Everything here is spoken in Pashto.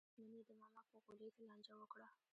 نن یې د ماما په غولي کې لانجه وکړه.